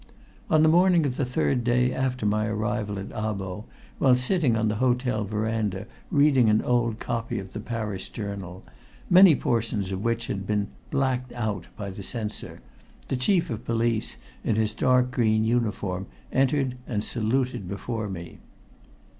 On the morning of the third day after my arrival at Abo, while sitting on the hotel veranda reading an old copy of the Paris Journal, many portions of which had been "blacked out" by the censor, the Chief of Police, in his dark green uniform, entered and saluted before me.